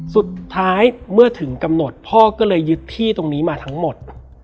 สุดท้ายเมื่อถึงกำหนดพ่อก็เลยยึดที่ตรงนี้มาทั้งหมด